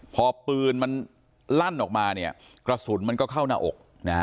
พอปืนมันลั่นออกมาเนี่ยกระสุนมันก็เข้าหน้าอกนะฮะ